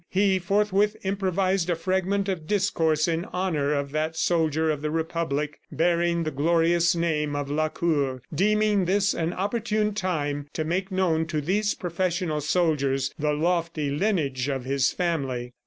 He forthwith improvised a fragment of discourse in honor of that soldier of the Republic bearing the glorious name of Lacour, deeming this an opportune time to make known to these professional soldiers the lofty lineage of his family.